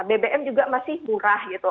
bbm juga masih murah gitu